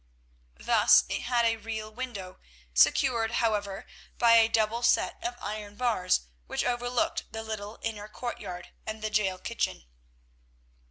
Thus it had a real window, secured, however, by a double set of iron bars, which overlooked the little inner courtyard and the gaol kitchen.